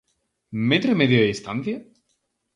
Metro e medio de distancia?